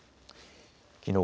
きのう